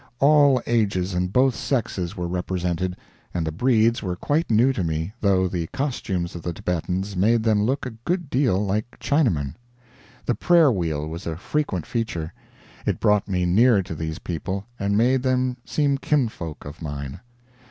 All ages and both sexes were represented, and the breeds were quite new to me, though the costumes of the Thibetans made them look a good deal like Chinamen. The prayer wheel was a frequent feature. It brought me near to these people, and made them seem kinfolk of mine.